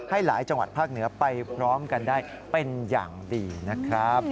ให้หลายจังหวัดภาคเหนือไปพร้อมกันได้เป็นอย่างดีนะครับ